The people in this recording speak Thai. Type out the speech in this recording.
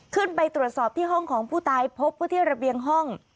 ขึ้นไปตรวจสอบที่ห้องของผู้ตายพบว่าที่ระเบียงห้อง